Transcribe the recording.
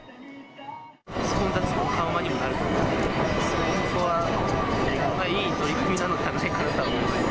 混雑の緩和にもなると思うので、そこはいい取り組みなんじゃないかなと思います。